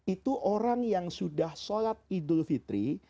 itu orang yang sudah sholat eid ul fitri